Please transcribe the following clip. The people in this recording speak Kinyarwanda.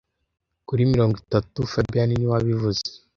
kuri mirongo itatu fabien niwe wabivuze